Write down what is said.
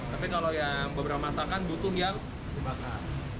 tapi kalau yang beberapa masakan butuh yang dibakar